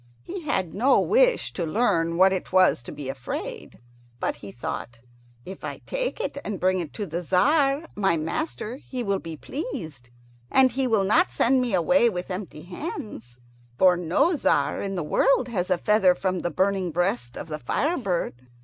He had no wish to learn what it was to be afraid, but he thought, "If I take it and bring it to the Tzar my master, he will be pleased; and he will not send me away with empty hands, for no Tzar in the world has a feather from the burning breast of the fire bird."